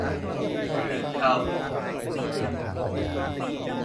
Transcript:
เสือเฒ่า